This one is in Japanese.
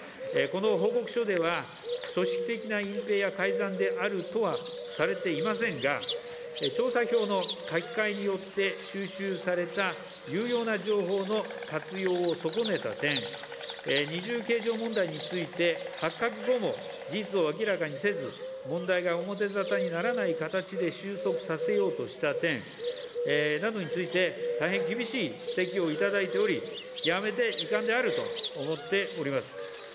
この報告書では、組織的な隠蔽や改ざんであるとはされていませんが、調査票の書き換えによって、収集された有用な情報の活用を損ねた点、二重計上問題について、発覚後も事実を明らかにせず、問題が表ざたにならない形で収束させようとした点などについて、大変厳しい指摘を頂いており、極めて遺憾であると思っております。